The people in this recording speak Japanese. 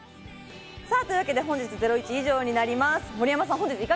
本日、『ゼロイチ』以上になります。